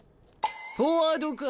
フォワードか。